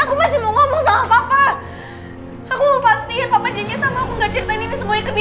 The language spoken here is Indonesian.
aku masih mau ngomong soal papa aku mau pastiin papa jenis aku nggak ceritain ini semuanya ke